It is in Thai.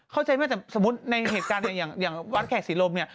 เข้าใจไหมแต่สมมุติในเหตุการณ์เนี่ยอย่างวัดแขกศรีลมเนี่ย